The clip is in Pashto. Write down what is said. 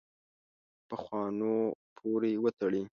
پخوانو پورې وتړي.